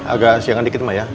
agak siang sedikit mah ya